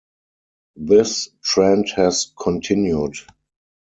This trend has continued.